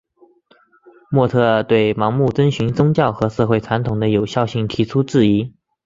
莫特对盲目遵循宗教和社会传统的有效性提出质疑。